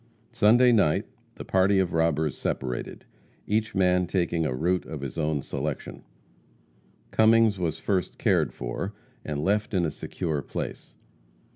Sunday night the party of robbers separated, each man taking a route of his own selection. Cummings was first cared for and left in a secure place.